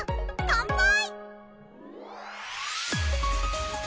乾杯！